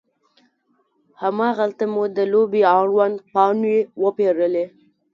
هماغلته مو د لوبې اړوند پاڼې وپیرلې.